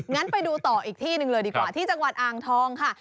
งั้นไปดูต่ออีกที่หนึ่งเลยดีกว่าที่จังหวัดอ่างทองค่ะ